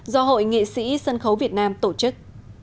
do hội nghệ sĩ sân khấu việt nam tổ chức